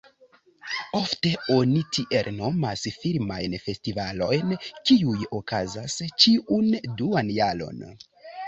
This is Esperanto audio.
Ofte oni tiel nomas filmajn festivalojn, kiuj okazas ĉiun duan jaron.